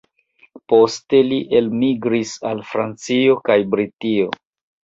Poste li elmigris al Francio kaj Britio.